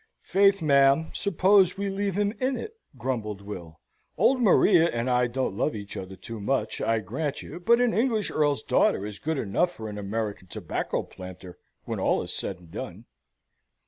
"Faith, ma'am, suppose we leave him in it?" grumbled Will. "Old Maria and I don't love each other too much, I grant you; but an English earl's daughter is good enough for an American tobacco planter, when all is said and done."